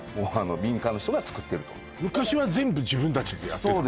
民間の人が作ってると昔は全部自分たちでやってたの？